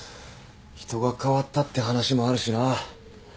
人が変わったって話もあるしな。